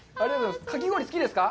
かき氷、好きですか？